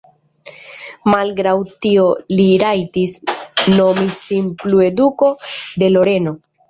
Malgraŭ tio li rajtis nomi sin plue Duko de Loreno.